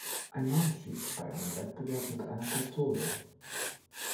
Ein Mann schießt bei einem Wettbewerb mit einer Pistole.